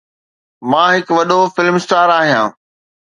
مان هڪ وڏو فلم اسٽار آهيان